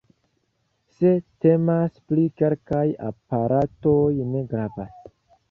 Se temas pri kelkaj aparatoj, ne gravas.